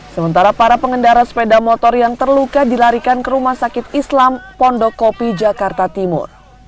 sementara para pengendara sepeda motor yang terluka dilarikan ke rumah sakit islam pondokopi jakarta timur